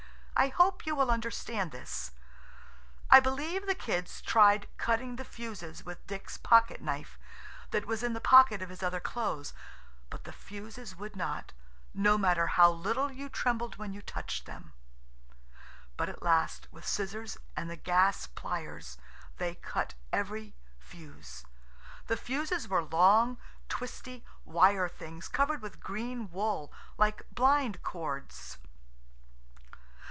I hope you will understand this. I believe the kids tried cutting the fuses with Dick's pocket knife that was in the pocket of his other clothes. But the fuses would not–no matter how little you trembled when you touched them. But at last, with scissors and the gas pliers, they cut every fuse. The fuses were long, twisty, wire things covered with green wool, like blind cords.